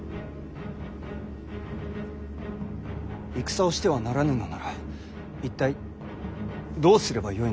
戦をしてはならぬのなら一体どうすればよいのですか？